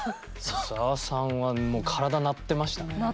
小沢さんはもう鳴ってましたよね？